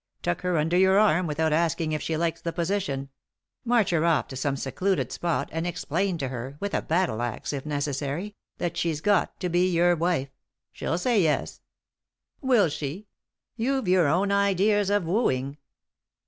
Tuck her under your arm, without asking if she likes the position. March her off to some secluded spot, and explain to her — with a battle axe, if necessary — that she's got to be your wife. She'll say yes." " Will she ? You've your own ideas of wooing."